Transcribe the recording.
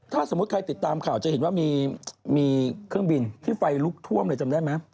ถ้าสมมุติใครติดตามข่าวจะเห็นว่ามีเครื่องบินที่ไฟลุกท่วมเลยจำได้ไหม